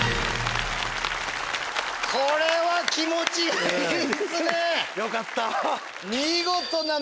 これは気持ちがいいっすね！